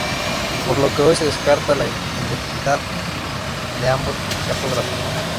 Por lo que hoy se descarta la identidad de ambos cartógrafos.